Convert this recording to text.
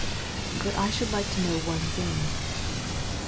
•* But I should like to know one thing."